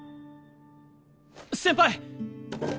先輩！